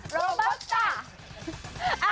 โรบอตตะ